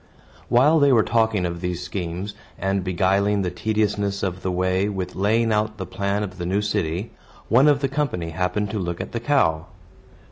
While they were talking of these schemes, and beguiling the tediousness of the way with laying out the plan of the new city, one of the company happened to look at the cow.